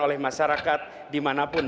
oleh masyarakat dimanapun